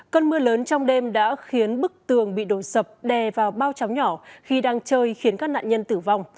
cơn mưa lớn trong đêm đã khiến bức tường bị đổ sập đè vào bao chóng nhỏ khi đang chơi khiến các nạn nhân tử vong